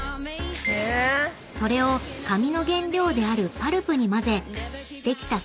［それを紙の原料であるパルプに混ぜできた］